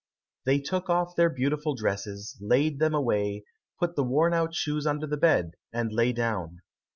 They took off their beautiful dresses, laid them away, put the worn out shoes under the bed, and lay down.